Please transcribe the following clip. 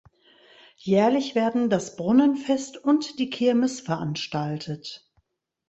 Jährlich werden das Brunnenfest und die Kirmes veranstaltet.